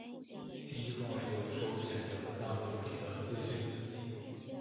信息框是由于收集展现文档等主题的资讯子集。